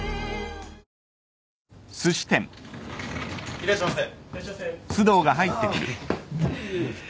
・いらっしゃいませ。